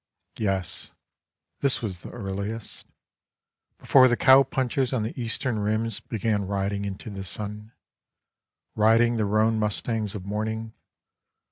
Yes, this was the earliest — Before the cowpunchers on the eastern rims Began riding into the sun, Riding the roan mustangs of morning.